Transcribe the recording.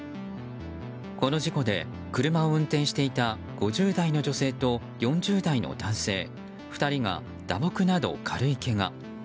この事故で車を運転していた５０代の女性と４０代の男性２人が打撲など軽いけが。